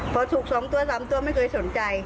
พอถูก๒ตัว๓ตัวไม่เคยสนใจ